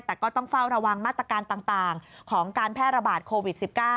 แต่ก็ต้องเฝ้าระวังมาตรการต่างของการแพร่ระบาดโควิด๑๙